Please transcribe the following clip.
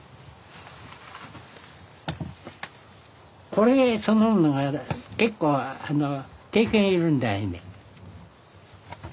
これそのものが結構経験要るんだいね。